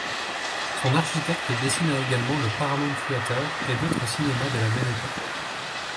Son architecte dessina également le Paramount Theater et d'autres cinémas de la même époque.